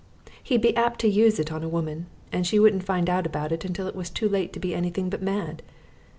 He'd be apt to use it on a woman, and she wouldn't find out about it until it was too late to be anything but mad.